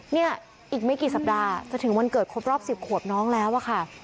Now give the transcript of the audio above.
เนี่ยอีกไม่กี่สัปดาห์จะถึงวันเกิดครบรอบ๑๐ขวบน้องแล้วอะค่ะ